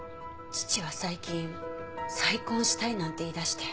父は最近再婚したいなんて言い出して。